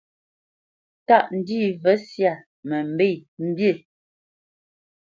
Tâʼ ndî və syâ mə mbê mbî.